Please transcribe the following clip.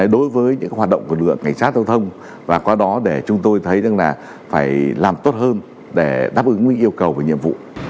đối với những hoạt động của lực lượng cảnh sát giao thông và qua đó để chúng tôi thấy rằng là phải làm tốt hơn để đáp ứng những yêu cầu về nhiệm vụ